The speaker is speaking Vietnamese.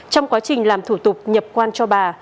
trong quá trình làm thủ tục nhập quan cho bà